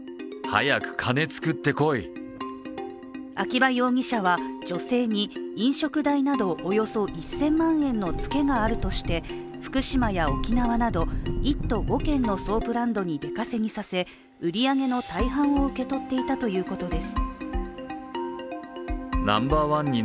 秋葉容疑者は、女性に飲食代などおよそ１０００万円のツケがあるとして福島や沖縄など１都５県のソープランドに出稼ぎさせ売り上げの大半を受け取っていたということです。